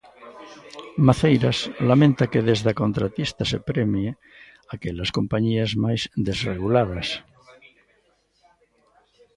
Maceiras lamenta que desde a contratista se premie aquelas compañías máis desreguladas.